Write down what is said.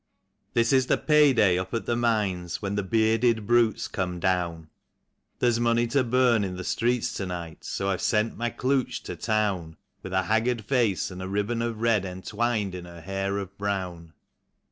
This is the pay day up at the mines, when the bearded brutes come down; There's money to burn in the streets to night, so I've sent my klooch to town, With a haggard face and a ribband of red entwined in her hair of brown.